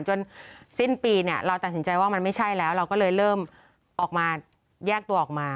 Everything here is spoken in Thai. จนสิ้นปีเนี่ยเราตัดสินใจว่ามันไม่ใช่แล้วเราก็เลยเริ่มออกมาแยกตัวออกมา